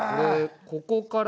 ここから。